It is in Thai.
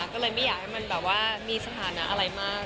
ก็เลยไม่อยากให้มันแบบว่ามีสถานะอะไรมาก